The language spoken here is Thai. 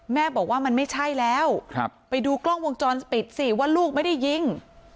แม่บอกว่ามันไม่ใช่แล้วไปดูกล้องวงจรปิดสิว่าลูกไม่ได้ยิง